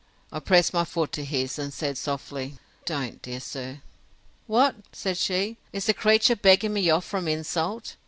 I pressed my foot to his, and said, softly, Don't, dear sir!—What! said she, is the creature begging me off from insult?